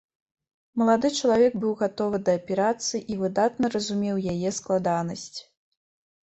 Малады чалавек быў гатовы да аперацыі і выдатна разумеў яе складанасць.